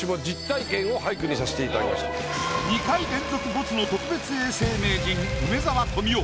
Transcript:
２回連続ボツの特別永世名人梅沢富美男